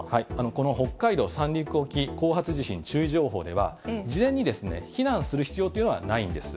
この北海道・三陸沖後発地震注意情報では、事前に避難する必要というのはないんです。